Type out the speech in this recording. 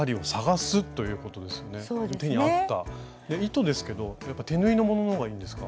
糸ですけどやっぱ手縫いのものの方がいいんですか？